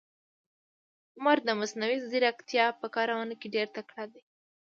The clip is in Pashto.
عمر د مصنوي ځیرکتیا په کارونه کې ډېر تکړه ده.